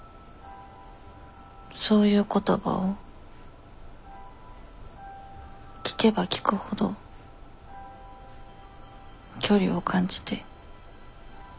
そういう言葉を聞けば聞くほど距離を感じて。